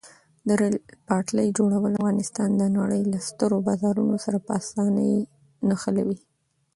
د ریل پټلۍ جوړول افغانستان د نړۍ له سترو بازارونو سره په اسانۍ نښلوي.